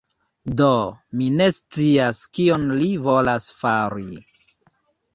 Do, mi ne scias kion li volas fari.